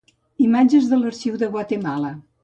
Imatges de l'Arxiu de Guatemala.